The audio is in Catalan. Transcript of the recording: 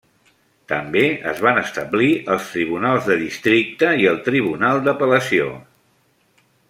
També es van establir els tribunals de districte i el tribunal d'apel·lació.